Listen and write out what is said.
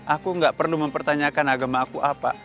aku gak perlu mempertanyakan agama aku apa